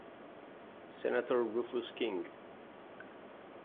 Senator Rufus King.